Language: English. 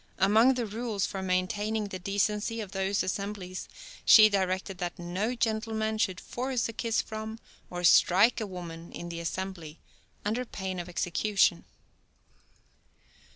Among the rules for maintaining the decency of those assemblies she directed that "no gentleman should force a kiss from, or strike a woman in the assembly, under pain of execution."